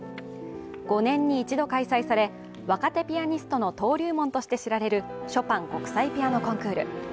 ５年に１度開催され、若手ピアニストの登竜門として知られるショパン国際ピアノ・コンクール。